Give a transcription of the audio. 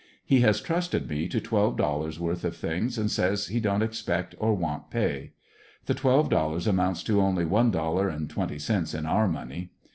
He has trusted me to twelve dollars worth of things and says he don't expect or want pay. The twelve dollars amounts to only one dollar and twenty cents in our money.